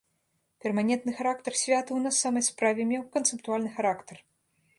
Перманентны характар святаў на самай справе меў канцэптуальны характар.